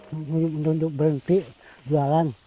menuntut berhenti jualan